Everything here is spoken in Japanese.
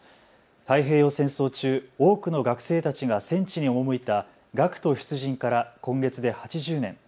太平洋戦争中、多くの学生たちが戦地に赴いた学徒出陣から今月で８０年。